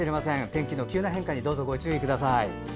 天気の急な変化にどうぞご注意ください。